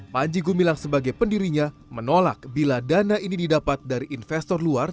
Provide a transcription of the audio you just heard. panji gumilang sebagai pendirinya menolak bila dana ini didapat dari investor luar